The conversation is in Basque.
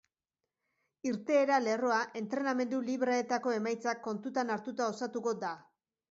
Irteera lerroa entrenamendu libreetako emaitzak kontutan hartuta osatuko da.